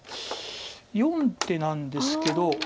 ４手なんですけど。